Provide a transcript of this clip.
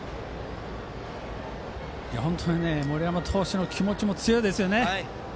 本当に森山投手の気持ちも強いですね。